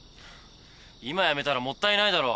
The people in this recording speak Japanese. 今やめたらもったいないだろう。